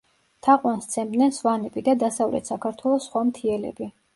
თაყვანს სცემდნენ სვანები და დასავლეთ საქართველოს სხვა მთიელები.